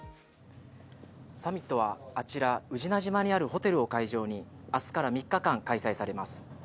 サミットはあちら宇品島にあるホテルを会場にあすから３日間開催されます。